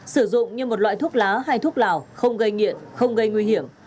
sử dụng như một loại thuốc lá hay thuốc lào không gây nghiện không gây nguy hiểm